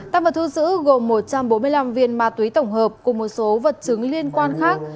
tăng vật thu giữ gồm một trăm bốn mươi năm viên ma túy tổng hợp cùng một số vật chứng liên quan khác